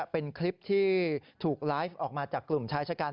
เป็นคลิปที่ถูกไลฟ์ออกมาจากกลุ่มชายชะกัน